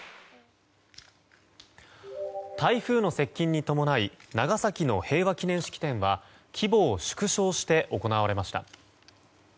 台風の接近に伴い長崎の平和祈念式典は規模を縮小して行われました。